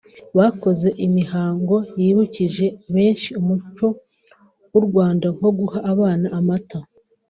Bakoze imihango yibukije benshi umuco w’u Rwanda nko guha abana amata